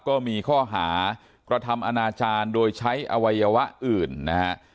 ก็มีข้อหากระทำอนาจารย์โดยใช้อวัยวะอื่นนะฮะ